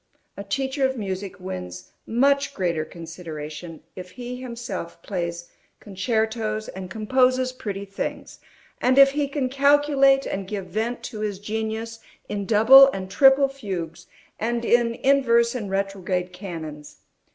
A teacher of music wins much greater consideration, if he himself plays concertos and composes pretty things, and if he can calculate and give vent to his genius in double and triple fugues, and in inverse and retrograde canons.